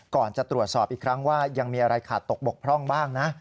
ก่อนจะตรวจสอบอีกครั้งว่ายังมีอะไรขาดตกบกพร่องบ้างนะ